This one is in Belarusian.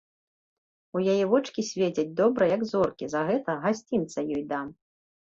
У яе вочкі свецяць добра, як зоркі, за гэта гасцінца ёй дам.